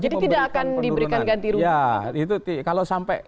jadi tidak akan diberikan ganti rumah